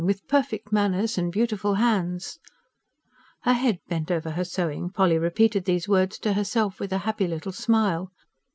With perfect manners and beautiful hands." Her head bent over her sewing, Polly repeated these words to herself with a happy little smile.